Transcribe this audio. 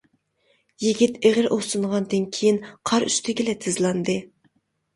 يىگىت ئېغىر ئۇھسىنغاندىن كىيىن، قار ئۈستىگىلا تىزلاندى.